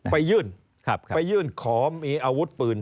ไปยื่นขอมีอาวุธปืน